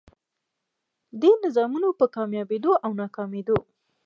دې نظامونو په کاميابېدو او ناکامېدو